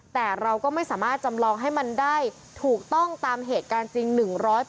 แต่เราก็ไม่สามารถจำลองให้มันได้ถูกต้องตามเหตุการณ์จริง๑๐๐